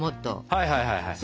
はいはいはいはい。